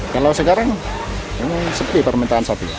kalau sekarang ini seperti permintaan sapi